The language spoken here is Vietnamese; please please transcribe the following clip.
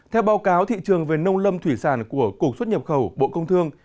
theo báo cáo thị trường về nông lâm thủy sản của cục xuất nhập khẩu bộ công thương